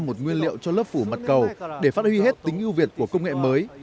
một nguyên liệu cho lớp phủ mặt cầu để phát huy hết tính ưu việt của công nghệ mới